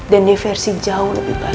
dan di versi jauh lebih baik